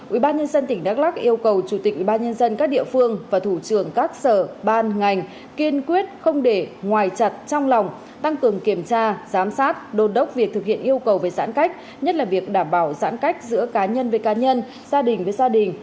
ubnd tỉnh đắk lắc yêu cầu chủ tịch ubnd các địa phương và thủ trưởng các sở ban ngành kiên quyết không để ngoài chặt trong lòng tăng cường kiểm tra giám sát đôn đốc việc thực hiện yêu cầu về giãn cách nhất là việc đảm bảo giãn cách giữa cá nhân với cá nhân gia đình với gia đình